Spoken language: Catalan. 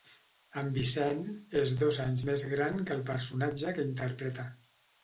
En Vincent és dos anys més gran que el personatge que interpreta.